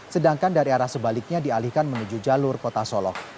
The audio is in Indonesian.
sedangkan dari arah sebaliknya dialihkan menuju jalur kota solok